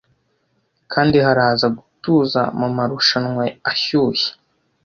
Kandi haraza gutuza mumarushanwa ashyushye